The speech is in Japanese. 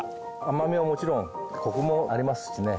甘みはもちろんコクもありますしね